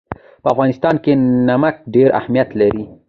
په افغانستان کې نمک ډېر اهمیت لري.